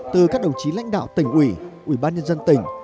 từ các đồng chí lãnh đạo tỉnh ủy ủy ban nhân dân tỉnh